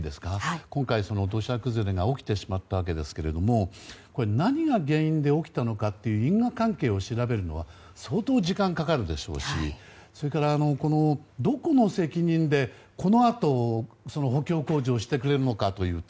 今回、土砂崩れが起きてしまったんですが何が原因で起きたのかという因果関係を調べるのは相当時間がかかるでしょうしそれからどこの責任でこのあと補強工事をしてくれるのかという点。